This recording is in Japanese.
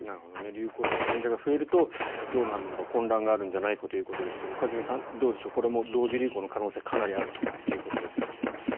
流行して患者が増えるとどうなんだろう混乱があるんじゃないかということですが一茂さん、どうでしょうか同時流行の可能性かなりあるということですが。